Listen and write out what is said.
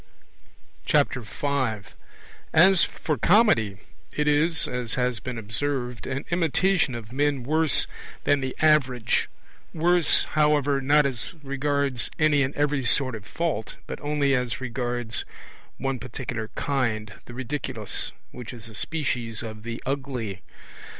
5 As for Comedy, it is (as has been observed) an imitation of men worse than the average; worse, however, not as regards any and every sort of fault, but only as regards one particular kind, the Ridiculous, which is a species of the Ugly.